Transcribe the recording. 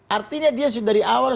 artinya dia sudah dari awal